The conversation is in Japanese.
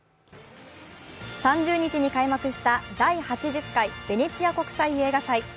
３０日に開幕した第８０回ベネチア国際映画祭。